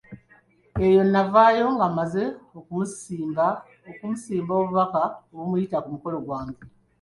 Eyo navaayo nga mmaze okumusimba obubaka obumuyita ku mukolo gwange.